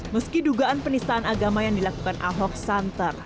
meski dugaan penistaan agama yang dilakukan ahok santer